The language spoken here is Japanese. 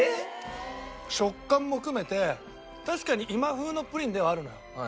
食感も含めて確かに今風のプリンではあるのよ